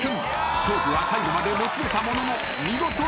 ［勝負は最後までもつれたものの見事勝利］